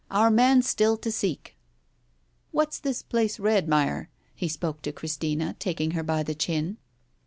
Our man's still to seek. What's this place Redmire?" He spoke to Christina, taking her by the chin.